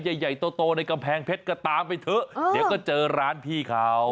ใหญ่ใหญ่โตในกำแพงเพชรก็ตามไปเถอะเดี๋ยวก็เจอร้านพี่เขา